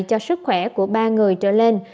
cho sức khỏe của ba người trở lên